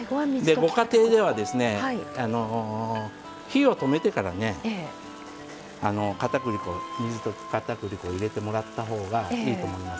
ご家庭では、火を止めてから水溶きかたくり粉を入れてもらったほうがいいと思います。